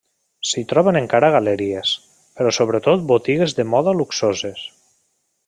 S'hi troben encara galeries, però sobretot botigues de moda luxoses.